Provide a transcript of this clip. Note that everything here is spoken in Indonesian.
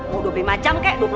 mau dua puluh lima jam kek